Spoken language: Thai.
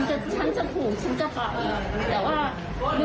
ฉันจะถูกฉันจะไป